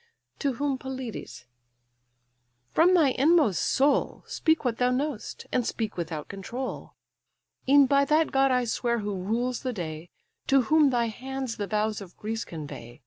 To whom Pelides:—"From thy inmost soul Speak what thou know'st, and speak without control. E'en by that god I swear who rules the day, To whom thy hands the vows of Greece convey.